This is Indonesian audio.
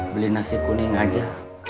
beli nasi kuning aja